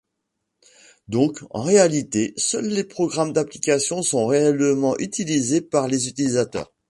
Donc, en réalité seuls les programmes d'application sont réellement utilisés par les utilisateurs.